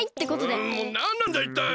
もうなんなんだいったい！